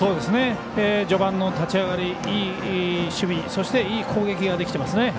序盤の立ち上がりいい守備そしていい攻撃ができてますね。